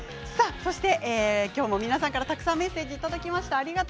そして今日も皆さんからたくさんメッセージいただきました。